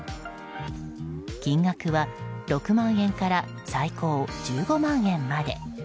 金額は６万円から最高１５万円まで。